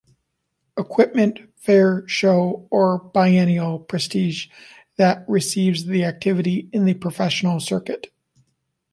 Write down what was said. Equipment, fair, show or biennial prestige that receives the activity in the professional circuit.